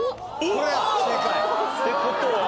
これ正解？ってことは。